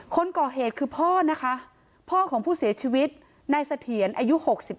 คนก่อเหตุคือพ่อนะคะพ่อของผู้เสียชีวิตนายเสถียรอายุ๖๒